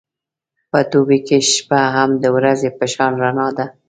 په دوبی کې شپه هم د ورځې په شان رڼا ده.